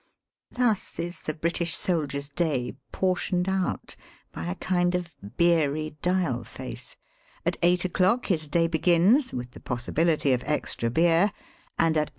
Thus is the British soldier's day portioned out by a kind of beery dial face. At 8 o'clock his day begins, with the possibility of extra beer, and at 8.